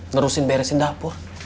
nerusin beresin dapur